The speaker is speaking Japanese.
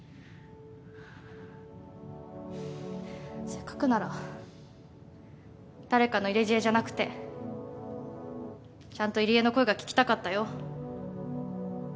せっかくなら誰かの入れ知恵じゃなくてちゃんと入江の声が聞きたかったよ。